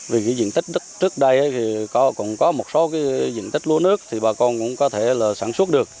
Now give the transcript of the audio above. vì diện tích trước đây cũng có một số diện tích lúa nước thì bà con cũng có thể sản xuất được